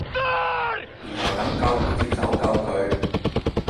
然後等救護接手救佢